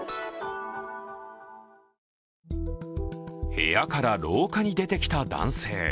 部屋から廊下に出てきた男性。